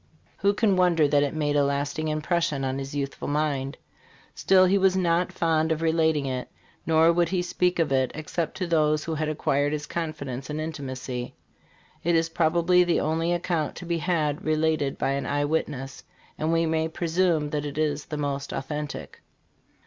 Who can wonder that it made a lasting impression on his youthful mind? Still, he was not fond of relating it, nor would he speak of it except to those who had acquired his confidence and intimacy. It is probably the only account to be had related by an eye witness, and we may presume that it is the most authentic."